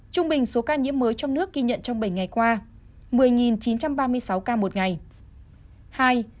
trung bình số ca nhiễm mới trong nước ghi nhận trong bảy ngày qua một mươi chín trăm ba mươi sáu ca một ngày